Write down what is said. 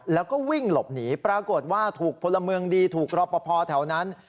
แล้วก็วิ่งหลบหนีปรากฏว่าถูกพลเมืองดีถูกรอปภแถวนั้น